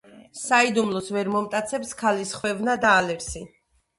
საიდუმლოს ვერ მომტაცებს ქალის ხვევნა და ალერსი;